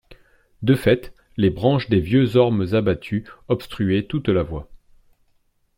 De fait, les branches des vieux ormes abattus obstruaient toute la voie.